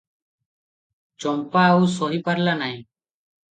ଚମ୍ପା ଆଉ ସହି ପାରିଲା ନାହିଁ ।